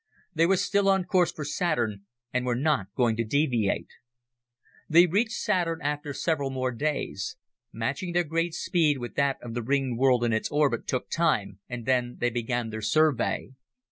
They were still on course for Saturn and were not going to deviate. They reached Saturn after several more days. Matching their great speed with that of the ringed world in its orbit took time, and then they began their survey.